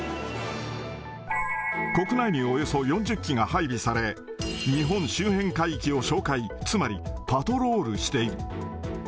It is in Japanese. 国内におよそ４０機が配備され、日本周辺海域を哨戒、つまりパトロールしている。